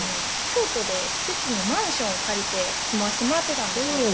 京都で父にマンションを借りて住まわしてもらってたんですよ